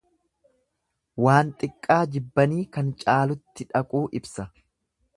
Waan xiqqaa jibbanii kan caalutti dhaquu ibsa.